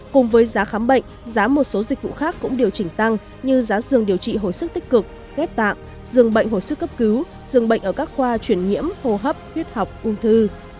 cùng với giá khám bệnh giá một số dịch vụ khác cũng điều chỉnh tăng như giá giường điều trị hồi sức tích cực ghép tạng dường bệnh hồi sức cấp cứu dường bệnh ở các khoa chuyển nhiễm hô hấp huyết học ung thư